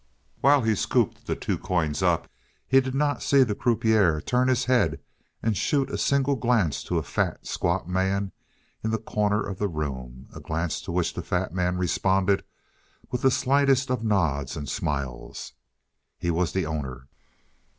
While he scooped the two coins up, he did not see the croupier turn his head and shoot a single glance to a fat, squat man in the corner of the room, a glance to which the fat man responded with the slightest of nods and smiles. He was the owner.